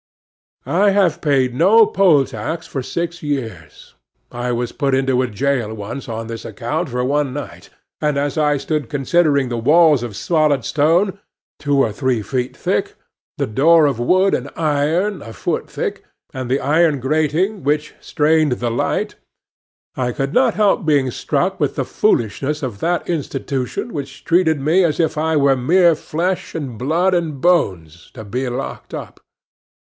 I have paid no poll tax for six years. I was put into a jail once on this account, for one night; and, as I stood considering the walls of solid stone, two or three feet thick, the door of wood and iron, a foot thick, and the iron grating which strained the light, I could not help being struck with the foolishness of that institution which treated me as if I were mere flesh and blood and bones, to be locked up.